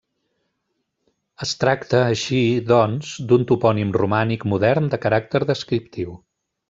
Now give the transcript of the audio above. Es tracta, així, doncs, d'un topònim romànic modern de caràcter descriptiu.